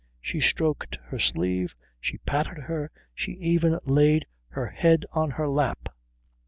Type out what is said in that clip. She stroked her sleeve, she patted her, she even laid her head on her lap.